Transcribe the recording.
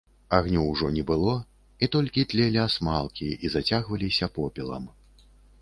Агню ўжо не было, і толькі тлелі асмалкі і зацягваліся попелам.